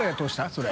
それ。